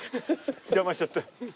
邪魔しちゃって。